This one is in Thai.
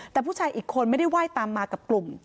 แต่ผู้ชายอีกคนไม่ได้ไหว้ตามมากับกลุ่ม